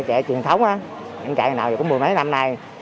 chạy truyền thống chạy ngày nào cũng mười mấy năm nay